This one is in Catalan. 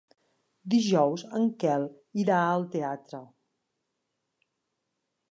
Dijous en Quel irà al teatre.